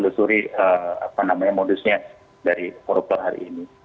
bisa banyak telusuri modusnya dari korupor hari ini